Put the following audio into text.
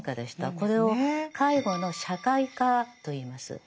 これを「介護の社会化」といいます。